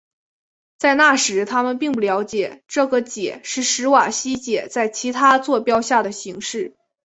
在那时他们并不了解这个解是史瓦西解在其他座标下的形式。